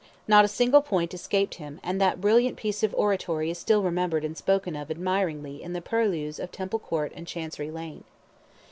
Not a single point escaped him, and that brilliant piece of oratory is still remembered and spoken of admiringly in the purlieus of Temple Court and Chancery Lane.